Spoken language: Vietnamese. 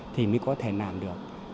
thì mới có thể làm được